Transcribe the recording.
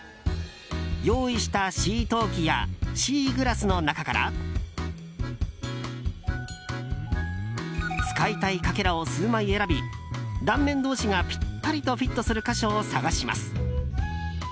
用意したシー陶器やシーグラスの中から使いたいかけらを数枚選び断面同士がぴったりとフィットする箇所を探します。